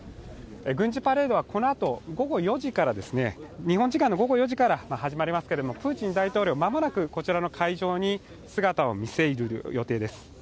軍事パレードはこのあと、日本時間の午後４時から始まりますけどプーチン大統領、まもなくこちらの会場に姿を見せる予定です。